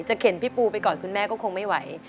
เข็นพี่ปูไปก่อนคุณแม่ก็คงไม่ไหว